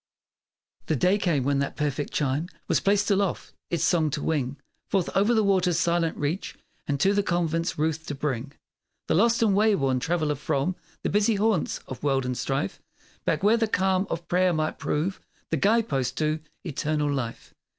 The day came when that perfect chime Was placed aloft, its song to wing Forth o'er the waters' silent reach And to the convent's roof to bring The lost and wayworn traveller from The busy haunts of world and strife, Back, where the calm of prayer might prove The guide post to Eternal life!